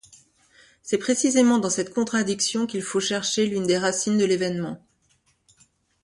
C’est précisément dans cette contradiction qu’il faut chercher l’une des racines de l’évènement.